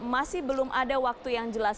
masih belum ada waktu yang jelas